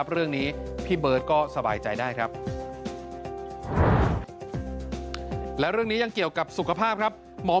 พี่เบิร์ทก็สบายใจครับ